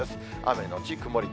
雨後曇り